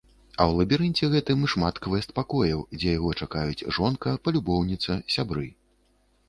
А ў лабірынце гэтым шмат квэст-пакояў, дзе яго чакаюць жонка, палюбоўніца, сябры.